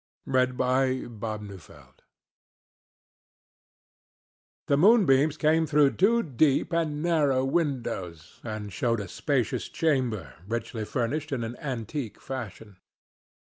THE WHITE OLD MAID The moonbeams came through two deep and narrow windows and showed a spacious chamber richly furnished in an antique fashion.